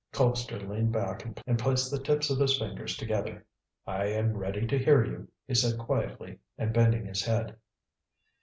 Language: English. Colpster leaned back and placed the tips of his fingers together. "I am ready to hear you," he said quietly and bending his head.